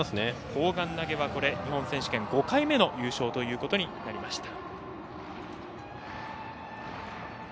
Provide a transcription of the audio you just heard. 砲丸投げは日本選手権５回目の優勝となりました。